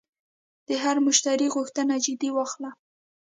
د هر مشتری غوښتنه جدي واخله.